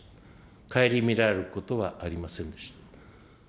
かえりみられることはありませんでした。